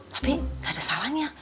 tapi gak ada salahnya